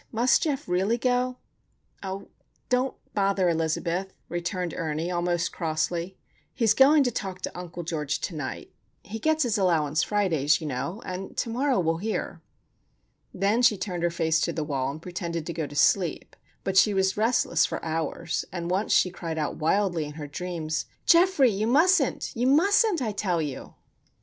"Must Geof really go?" "Oh, don't bother, Elizabeth," returned Ernie, almost crossly. "He's going to talk to Uncle George to night. He gets his allowance Fridays, you know; and to morrow we'll hear." Then she turned her face to the wall and pretended to go to sleep; but she was restless for hours, and once she cried out wildly in her dreams: "Geoffrey! you mustn't! You mustn't, I tell you!"